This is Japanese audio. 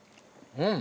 うん。